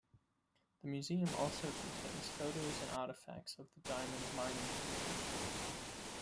The museum also contains photos and artifacts of the diamond mining period.